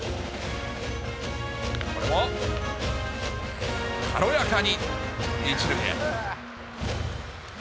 これも軽やかに１塁へ。